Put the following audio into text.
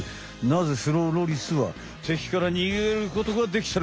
なぜスローロリスは敵から逃げることができたのか？